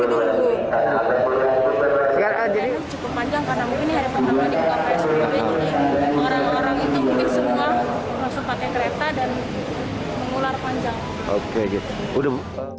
orang orang itu mungkin semua langsung pakai kereta dan mengular panjang